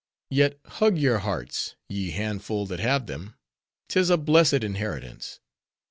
Yet hug your hearts, ye handful that have them; 'tis a blessed inheritance!